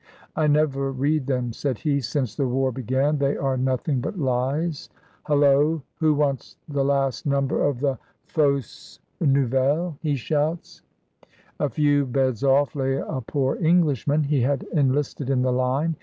"I never read them," said he, "since the war began, they are nothing but lies. Holloa! Who wants the last number of the Fausses Nouvelles?" he shouts. A few beds off lay a poor Englishman. He had enlisted in the line.